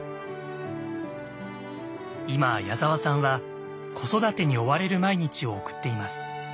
今矢沢さんは子育てに追われる毎日を送っています。